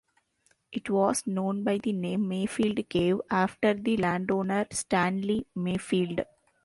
It was known by the name Mayfield Cave, after the landowner, Stanley Mayfield.